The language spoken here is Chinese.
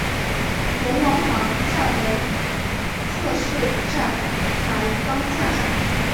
龙王塘站为侧式站台高架站。